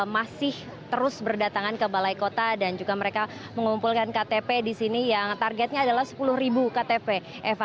masih terus berdatangan ke balai kota dan juga mereka mengumpulkan ktp di sini yang targetnya adalah sepuluh ktp eva